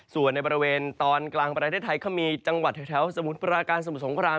ส่วนในบริเวณตอนกลางประเทศไทยก็มีจังหวัดแถวสมุทรปราการสมุทรสงคราม